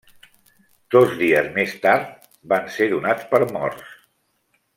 Dos dies més tard van ser donats per morts.